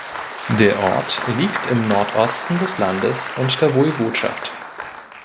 Der Ort liegt im Nordosten des Landes und der Woiwodschaft.